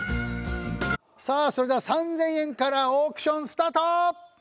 さあそれでは３０００円からオークションスタート！